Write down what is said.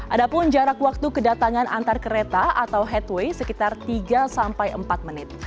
ada pun jarak waktu kedatangan antar kereta atau headway sekitar tiga sampai empat menit